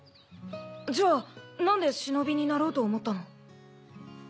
じゃあなんで忍になろうと思ったの？